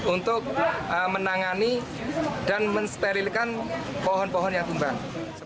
untuk menangani dan mensterilkan pohon pohon yang tumbang